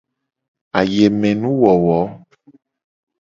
Ayemenuwowo.